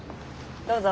どうぞ。